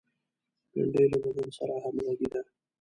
بېنډۍ له بدن سره همغږې ده